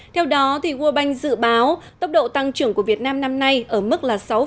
theo đó world bank dự báo tốc độ tăng trưởng của việt nam năm nay ở mức sáu tám